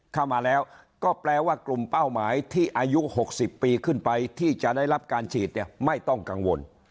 เข้ามาแล้วก็แปลว่ากลุ่มเป้าหมายที่อายุ๖๐ปีขึ้นไปที่จะได้รับการฉีดเนี่ยไม่ต้องกังวล